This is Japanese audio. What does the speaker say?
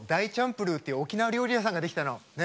ぷるっていう沖縄料理屋さんが出来たの。ね